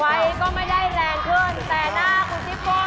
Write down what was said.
ไฟก็ไม่ได้แรงขึ้นแต่หน้าคุณซิโก้